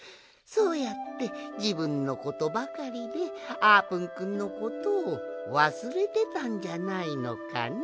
そうやってじぶんのことばかりであーぷんくんのことをわすれてたんじゃないのかのう？